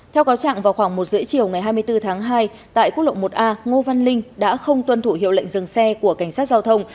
theo cáo trạng vào khoảng một h ba mươi chiều ngày hai mươi bốn tháng hai tại quốc lộ một a ngô văn linh đã không tuân thủ hiệu lệnh dừng xe của cảnh sát giao thông